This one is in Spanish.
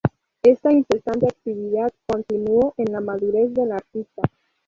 Esta incesante actividad continuó en la madurez del artista.